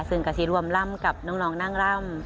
ซึ่งกะทิร่วมร่ำกับน้องนั่งร่ำ